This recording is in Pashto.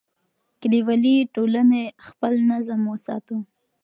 کلیوالي ټولنې خپل نظم وساته.